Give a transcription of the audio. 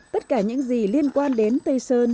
tất cả những gì liên quan đến tây sơn